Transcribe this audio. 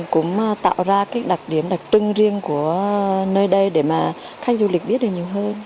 cũng tạo ra các đặc điểm đặc trưng riêng của nơi đây để mà khách du lịch biết được nhiều hơn